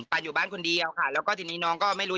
อยู่บ้านคนเดียวค่ะแล้วก็ทีนี้น้องก็ไม่รู้